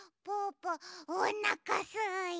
ぽおなかすいた！